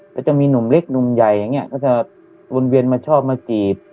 แล้วจะมีหนุ่มเล็กหนุ่มใหญ่อย่างเงี้ยเขาจะวนเวียนมาชอบมาจีบ